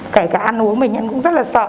kể cả ăn uống bệnh nhân cũng rất là sợ